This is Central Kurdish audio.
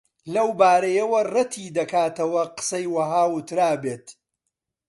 لەو بارەیەوە ڕەتی دەکاتەوە قسەی وەها وترابێت